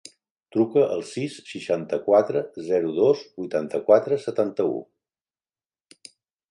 Truca al sis, seixanta-quatre, zero, dos, vuitanta-quatre, setanta-u.